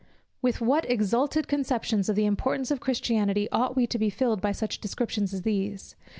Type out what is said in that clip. With what exalted conceptions of the importance of Christianity ought we to be filled by such descriptions as these?